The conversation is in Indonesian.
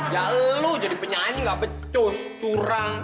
ya lu jadi penyanyi gak pecus curang